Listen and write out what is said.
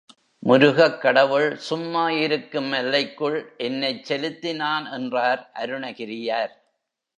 முருகக் கடவுள் சும்மா இருக்கும் எல்லைக்குள் என்னைச் செலுத்தினான் என்றார் அருணகிரியார்.